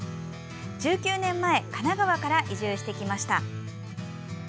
１９年前神奈川から移住してきました。